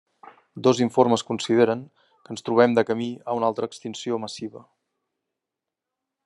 Dos informes consideren que ens trobem de camí a una altra extinció massiva.